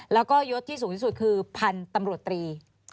แล้วก็ยศที่สูงที่สุดคือพันธุ์ตำรวจตรี